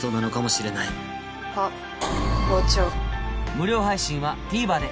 無料配信は ＴＶｅｒ で。